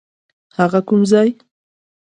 هغه کوم ځای؟